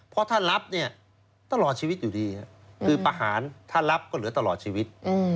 เพราะถ้ารับเนี่ยตลอดชีวิตอยู่ดีคือประหารถ้ารับก็เหลือตลอดชีวิต